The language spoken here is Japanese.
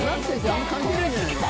あんま関係ないんじゃないの？